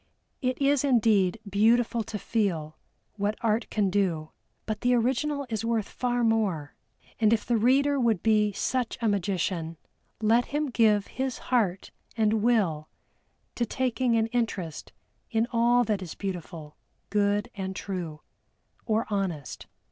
It is indeed beautiful to feel what Art can do, but the original is worth far more. And if the reader would be such a magician, let him give his heart and will to taking an interest in all that is beautiful, good and true or honest.